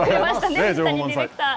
水谷ディレクター。